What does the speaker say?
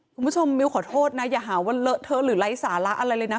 คุณผู้ชมมิวขอโทษนะอย่าหาว่าเลอะเทอะหรือไร้สาระอะไรเลยนะ